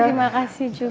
terima kasih juga